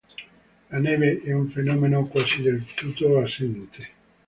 La neve è un fenomeno quasi del tutto assente.